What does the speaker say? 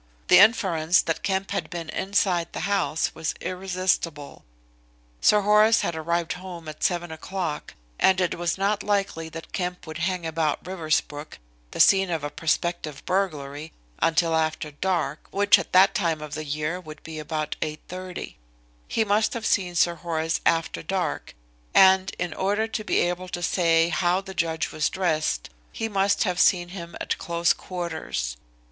The inference that Kemp had been inside the house was irresistible. Sir Horace had arrived home at 7 o'clock and it was not likely that Kemp would hang about Riversbrook the scene of a prospective burglary until after dark, which at that time of the year would be about 8.30. He must have seen Sir Horace after dark, and in order to be able to say how the judge was dressed he must have seen him at close quarters.